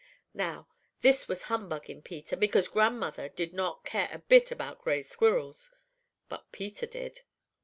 "Now, this was humbug in Peter, because grandmother did not care a bit about gray squirrels. But Peter did.